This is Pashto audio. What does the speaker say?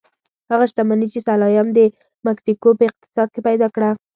هغه شتمني چې سلایم د مکسیکو په اقتصاد کې پیدا کړه.